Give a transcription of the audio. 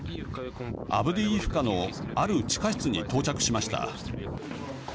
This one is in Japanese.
アブディイフカのある地下室に到着しました。